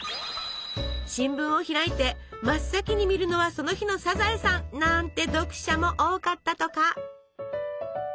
新聞を開いて真っ先に見るのはその日の「サザエさん」なんて読者も多かったとか。